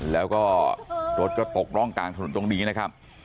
แล้วก็รถก็ตกร่องกลางถนนตรงนี้นะครับ